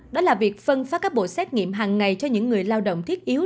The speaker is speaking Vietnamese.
đó là việc phân phát các bộ xét nghiệm hàng ngày cho những người lao động thiết yếu